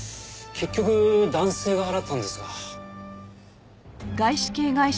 結局男性が払ったんですが。